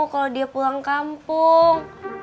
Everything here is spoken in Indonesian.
kalau dia pulang kampung